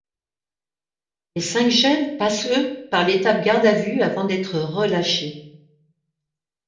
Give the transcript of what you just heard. Les cinq jeunes passent eux par l’étape garde à vue avant d’être relâchés.